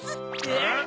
えっ？